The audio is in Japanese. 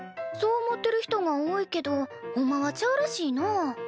そう思ってる人が多いけどほんまはちゃうらしいな。